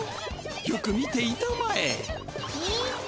よく見ていたまえ。